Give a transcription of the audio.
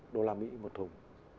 đô la mỹ một thùng